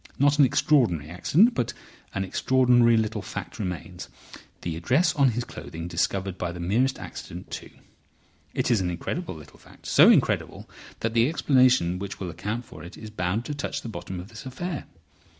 Not an extraordinary accident. But an extraordinary little fact remains: the address on his clothing discovered by the merest accident, too. It is an incredible little fact, so incredible that the explanation which will account for it is bound to touch the bottom of this affair.